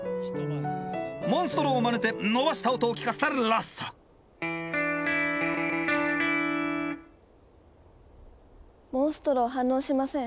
モンストロをまねて伸ばした音を聞かせたロッソモンストロ反応しません。